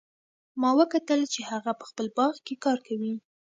ما وکتل چې هغه په خپل باغ کې کار کوي